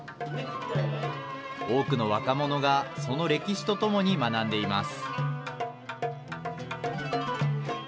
多くの若者が、その歴史とともに学んでいます。